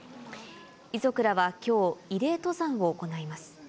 遺族らはきょう、慰霊登山を行います。